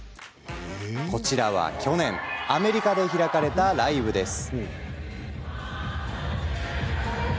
こちらは去年アメリカで開かれたライブです。